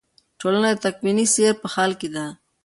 ټولنه د تکویني سیر په حال کې ده.